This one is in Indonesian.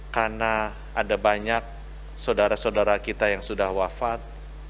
karena ada banyak saudara saudara kita yang sudah wafat